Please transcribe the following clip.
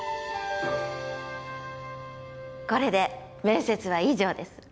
これで面接は以上です。